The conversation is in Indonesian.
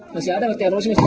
masih ada masih ada